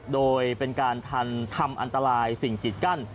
โดยเป็นการทันทำอันตรายสิ่งกิดกั้น